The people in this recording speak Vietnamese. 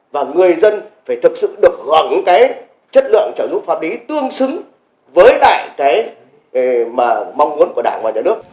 và người dân phải thật sự được gọn cái chất lượng trợ giúp pháp lý tương xứng với lại cái mong muốn của đảng và nhà nước